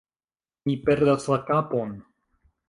Mi perdas la kapon!